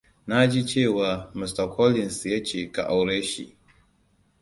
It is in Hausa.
Na ji cewa Mr. Collins ya ce ka aure shi.